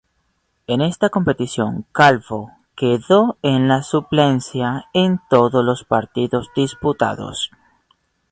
En esta competición, Calvo quedó en la suplencia en todos los partidos disputados.